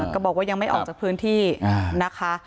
ก็บอกว่ายังไม่ออกจากพื้นที่นะคะ